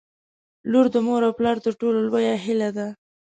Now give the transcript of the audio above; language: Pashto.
• لور د مور او پلار تر ټولو لویه هیله ده.